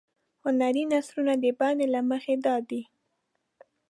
هنري نثرونه د بڼې له مخې دادي.